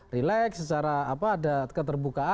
relax secara ada